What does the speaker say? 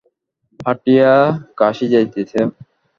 হাঁটিয়া Kashi যাইতেছ?